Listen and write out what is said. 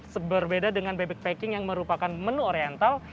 seberbeda dengan bebek packing yang merupakan menu oriental